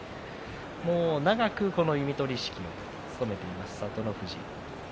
もう長くこの弓取式を務めています、聡ノ富士。